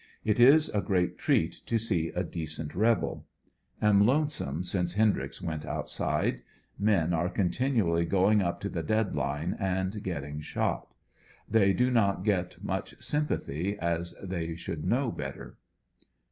It is a great treat to see a decent rebel. Am lonesome since Hendryx went outside. Men are continually going up to the dead line and getting shot. They do not get much sympathy, as they should know better.